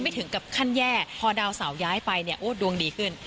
ถึงกับขั้นแย่พอดาวเสาย้ายไปเนี่ยโอ้ดวงดีขึ้น